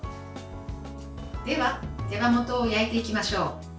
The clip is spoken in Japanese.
では手羽元を焼いていきましょう。